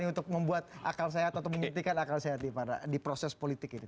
untuk membuat akal sehat atau membuktikan akal sehat di proses politik ini